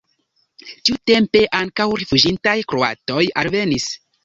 Tiutempe ankaŭ rifuĝintaj kroatoj alvenis.